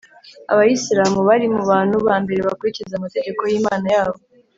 Abayisilamu bari mu bantu bambere bakurikiza amategeko y’ Imana yabo